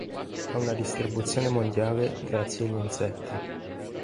Ha una distribuzione mondiale grazie agli insetti.